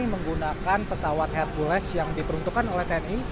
menggunakan pesawat hercules yang diperuntukkan oleh tni